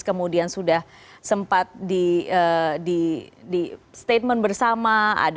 kemudian sudah sempat di statement bersama